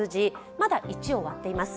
まだ１を割っています。